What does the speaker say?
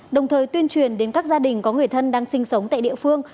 đồng thời tuyên truyền đến các gia đình có người thân đang sinh sống tại địa phương